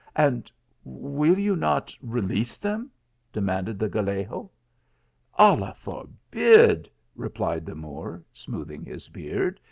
"And will you not release them ?" demanded the Gal lego. " Allah forbid !" replied the Moor, smoothing his beard.